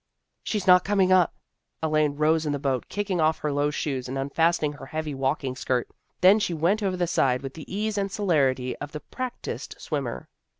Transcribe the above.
" She's not coming up." Elaine rose in the boat, kicking off her low shoes, and unfastening her heavy walking skirt. Then she went over the side with the ease and celerity of the prac tised swimmer.